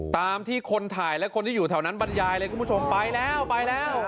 ตามที่คนถ่ายและคนที่อยู่แถวนั้นบรรยายเลยคุณผู้ชมไปแล้วไปแล้ว